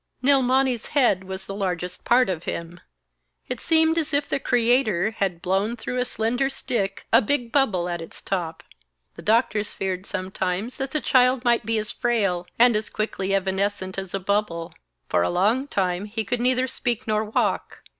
III Nilmani's head was the largest part of him. It seemed as if the Creator had blown through a slender stick a big bubble at its top. The doctors feared sometimes that the child might be as frail and as quickly evanescent as a bubble. For a long time he could neither speak nor walk.